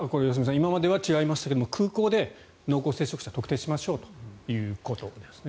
今までは違いましたけど空港で濃厚接触者特定しましょうということですね。